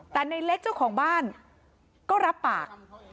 แต่ในเล็กเจ้าของบ้านก็รับปาก